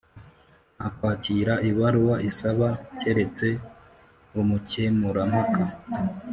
Nta kwakira ibaruwa isaba keretse umukemurampaka